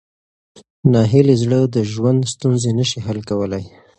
ناهیلي زړه د ژوند ستونزې نه شي حل کولی.